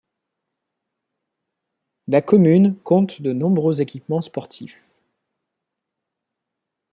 La commune compte de nombreux équipements sportifs.